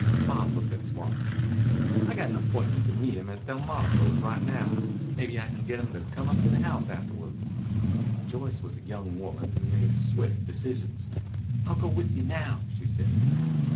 Bob looked at his watch. "I got an appointment to meet him at Delmonico's right now. Maybe I can get him to come up to the house afterward." Joyce was a young woman who made swift decisions. "I'll go with you now," she said.